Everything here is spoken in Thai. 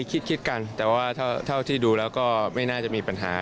คิดกันแต่ว่าเท่าที่ดูแล้วก็ไม่น่าจะมีปัญหา